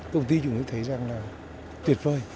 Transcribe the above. công ty chúng tôi thấy rằng là tuyệt vời